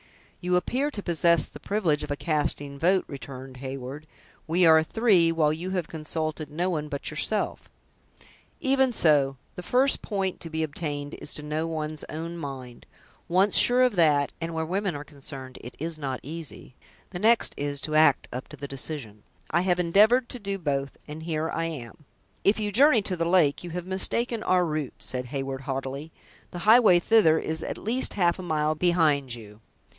"You appear to possess the privilege of a casting vote," returned Heyward; "we are three, while you have consulted no one but yourself." "Even so. The first point to be obtained is to know one's own mind. Once sure of that, and where women are concerned it is not easy, the next is, to act up to the decision. I have endeavored to do both, and here I am." "If you journey to the lake, you have mistaken your route," said Heyward, haughtily; "the highway thither is at least half a mile behind you."